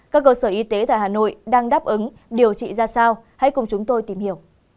các cơ sở y tế tại hà nội đang đáp ứng điều trị ra sao hãy cùng chúng tôi tìm hiểu